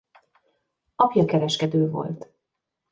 Apja kereskedő volt.